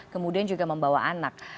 kemudian juga membawa anak